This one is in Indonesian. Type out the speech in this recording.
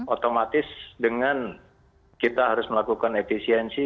otomatis dengan kita harus melakukan efisiensi